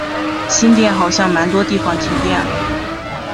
新店好像蛮多地方停电了